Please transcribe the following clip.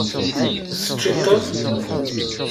Teččiḍ-ten?